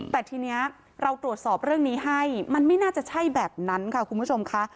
แต่ทีนี้เราตรวจสอบเรื่องนี้ให้มันไม่น่าจะใช่แบบนั้นค่ะคุณผู้ชมค่ะ